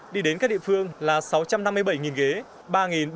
đi đến các địa phương là sáu trăm năm mươi bảy ghế